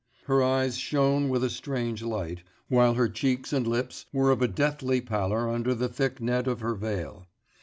Her eyes shone with a strange light, while her cheeks and lips were of a deathly pallor under the thick net of her veil.